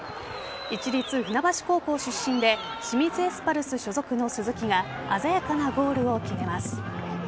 市立船橋高校出身で清水エスパルス所属の鈴木が鮮やかなゴールを決めます。